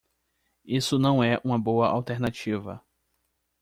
Isso não é uma boa alternativa.